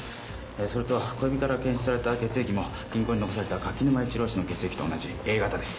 それと小指から検出された血液も銀行に残された垣沼一郎氏の血液と同じＡ型です。